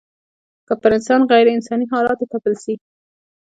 که پر انسان غېر انساني حالات وتپل سي